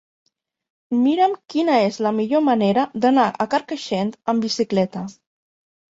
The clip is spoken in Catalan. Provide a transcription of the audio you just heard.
Mira'm quina és la millor manera d'anar a Carcaixent amb bicicleta.